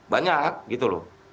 banyak gitu loh